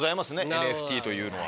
ＮＦＴというのは。